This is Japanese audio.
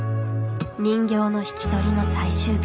人形の引き取りの最終日。